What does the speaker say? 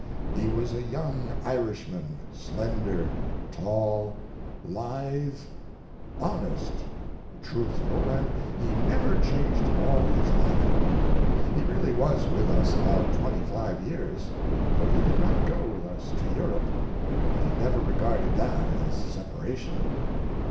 He was a young Irishman, slender, tall, lithe, honest, truthful, and he never changed in all his life. He really was with us but twenty five years, for he did not go with us to Europe, but he never regarded that as separation.